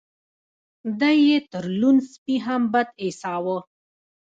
دی يې تر لوند سپي هم بد ايساوه.